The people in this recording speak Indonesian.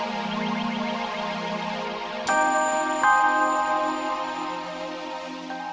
hingga panggilan rakyatnya sedang berjalan semakin lara kerah kejar